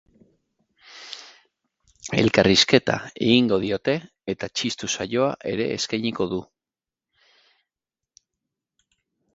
Elkarrizketa egingo diote eta txistu saioa ere eskainiko du.